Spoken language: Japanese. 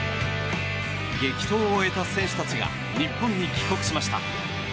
激闘を終えた選手たちが日本に帰国しました。